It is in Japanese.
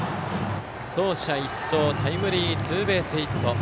走者一掃タイムリーツーベースヒット。